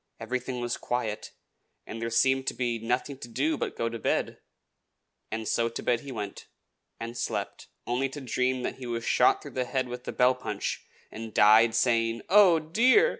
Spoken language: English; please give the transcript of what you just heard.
Everything was quiet, and there seemed to be nothing to do but go to bed; and so to bed he went, and slept, only to dream that he was shot through the head with a bell punch, and died saying, "Oh, dear!"